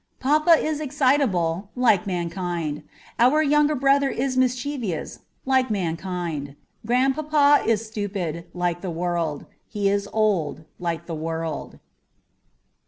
Papa is excitable, like m.ankind. Our younger brother is mischievous, like mankind. Grandpapa is stupid, like the world ; he is old, like the v/orld.